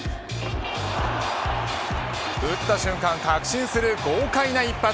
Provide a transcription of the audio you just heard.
打った瞬間確信する豪快な一発。